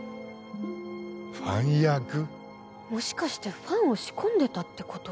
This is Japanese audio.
もしかしてファンを仕込んでたって事？